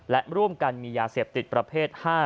และร่วมกันมียาเสพติดประเภท๕